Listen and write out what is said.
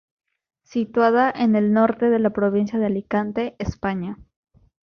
Situada en el norte de la provincia de Alicante, España.